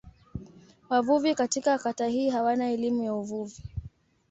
Wavuvi katika kata hii hawana elimu ya uvuvi.